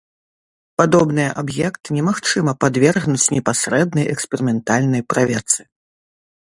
Падобныя аб'екты немагчыма падвергнуць непасрэднай эксперыментальнай праверцы.